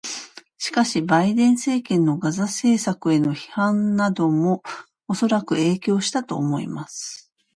しかし、バイデン政権のガザ政策への批判などもおそらく影響したと思います。